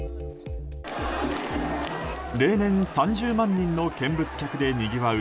例年３０万人の見物客でにぎわう